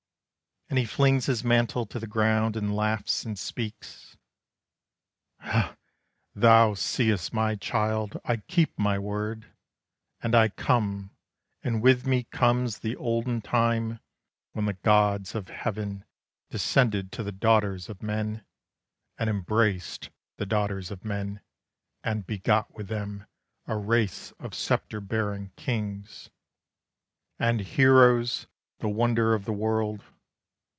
And he flings his mantle to the ground And laughs and speaks. "Thou see'st my child! I keep my word. And I come, and with me, comes The olden time when the gods of heaven Descended to the daughters of men, And embraced the daughters of men, And begot with them A race of sceptre bearing kings, And heroes, the wonder of the world.